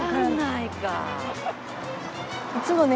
いつもね